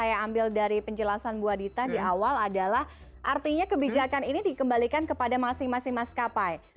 saya ambil dari penjelasan bu adita di awal adalah artinya kebijakan ini dikembalikan kepada masing masing maskapai